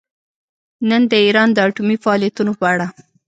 نن د ایران د اټومي فعالیتونو په اړه